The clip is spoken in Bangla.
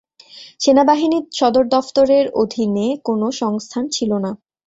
সেনাবাহিনী সদর দফতরের অধীনে কোনও সংস্থান ছিল না।